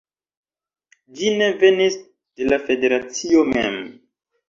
Ĝi ne venis de la federacio mem